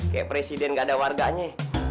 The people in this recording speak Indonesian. kayak presiden gak ada warganya